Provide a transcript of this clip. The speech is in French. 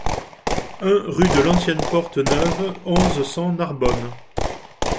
un rue de l'Ancienne Porte Neuve, onze, cent, Narbonne